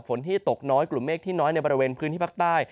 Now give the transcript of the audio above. ที่ตกน้อยกลุ่มเมฆที่น้อยในบริเวณพื้นที่ภาคใต้